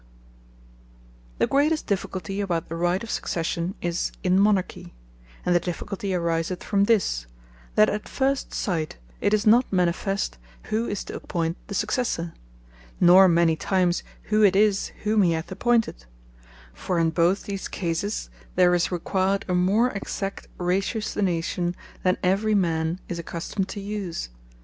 The Present Monarch Hath Right To Dispose Of The Succession The greatest difficultie about the right of Succession, is in Monarchy: And the difficulty ariseth from this, that at first sight, it is not manifest who is to appoint the Successor; nor many times, who it is whom he hath appointed. For in both these cases, there is required a more exact ratiocination, than every man is accustomed to use.